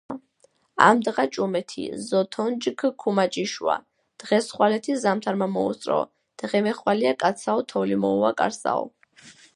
ამდღა-ჭუმეთი ზოთონჯქ ქუმაჭიშუა.„დღეს-ხვალეთი ზამთარმა მოუსწროო“.დღე-მეხვალიე კაცსაო თოვლი მოუვა კარსაო